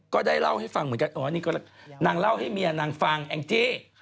ก็ได้เล่าให้ฟังเหมือนกันอ๋อนี่ก็นางเล่าให้เมียนางฟังแองจี้